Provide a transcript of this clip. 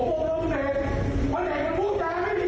คุณไม่ไม่มีใจคุณจะยอมรับเหรอ